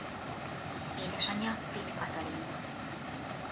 Édesanyja Vitt Katalin.